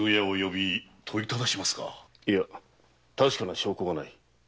いや確かな証拠がない。